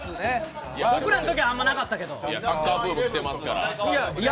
僕らのときはあんまりなかったけど。